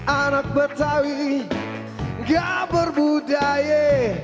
anak betawi gak berbudaya